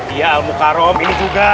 iya al mukarram ini juga